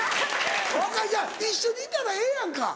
分かるいや一緒にいたらええやんか。